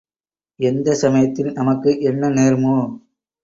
எந்தச் சமயத்தில் நமக்கு என்ன நேருமோ?